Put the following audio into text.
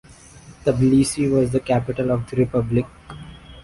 Tbilisi was the capital of the republic.